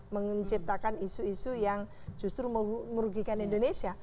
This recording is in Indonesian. menciptakan isu isu yang justru merugikan indonesia